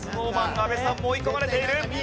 阿部さんも追い込まれている。